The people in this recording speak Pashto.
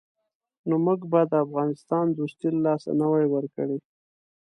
نو موږ به د افغانستان دوستي له لاسه نه وای ورکړې.